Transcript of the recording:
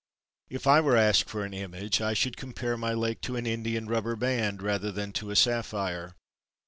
If I were asked for an image, I should compare my Lake to an India rubber band rather than to a sapphire.